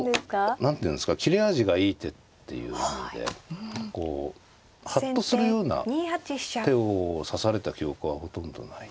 何ていうんですか切れ味がいい手っていう意味でハッとするような手を指された記憶はほとんどない。